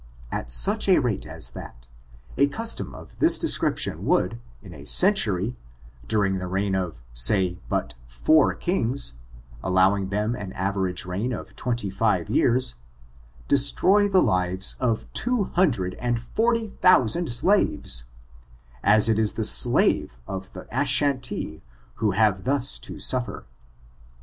At such a rate as that, a custom of this de scription would, in a century, during the reign of, say but four kings, allowing them an average reign of twenty five years, destroy the lives of two hundred and forty thousand slaves, as it is the slave of the Ashantees who have thus to suffer.